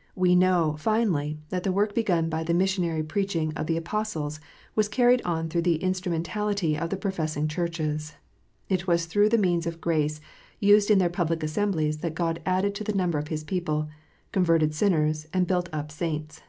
* We know, finally, that the work begun by the missionary preaching of the Apostles was carried on through the instru mentality of the professing Churches. It was through the means of grace used in their public assemblies that God added to the number of His people, converted sinners, and built up saints.